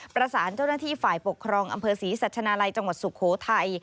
ประสานเจ้าหน้าที่ฝ่ายปกครองอำเภอศรีสัชนาลัยจังหวัดสุโขทัย